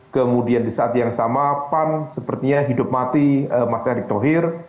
kemudian di saat yang sama pan sepertinya hidup mati mas erick thohir